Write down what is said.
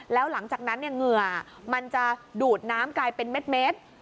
แล้วหลังจากนั้นเหงื่อมันจะดูดน้ำกลายเป็นเม็ด